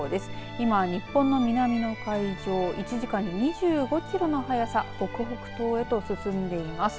今、日本の南の海上１時間２５キロの速さ北北東へと進んでいます。